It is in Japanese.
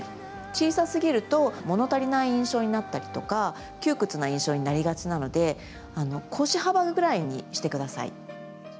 小さすぎるともの足りない印象になったりとか窮屈な印象になりがちなので腰幅ぐらいにしてください。